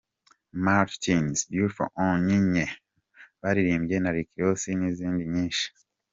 Martins, Beautiful Onyinye baririmbanye na Rick Ross n’izindi nyinshi.